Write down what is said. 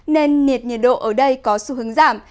nên nhiệt độ ở đây có xu hướng giảm